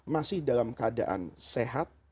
masih dalam keadaan sehat